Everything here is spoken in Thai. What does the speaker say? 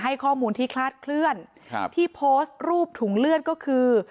ให้ข้อมูลที่คลาดเคลื่อนครับที่โพสต์รูปถุงเลือดก็คือ